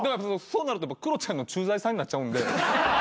そうなるとクロちゃんの駐在さんになっちゃうんで。